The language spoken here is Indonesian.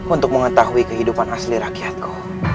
untuk mengetahui kehidupan asli rakyatku